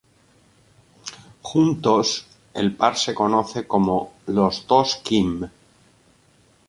Juntos, el par se conoce como "Los dos Kim".